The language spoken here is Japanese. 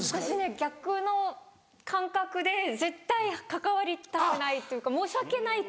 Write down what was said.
逆の感覚で絶対関わりたくないというか申し訳ないという。